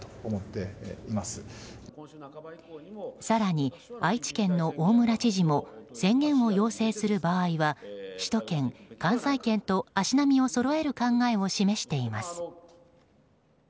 更に、愛知県の大村知事も宣言を要請する場合は首都圏、関西圏と足並みをそろえる考えを示しています。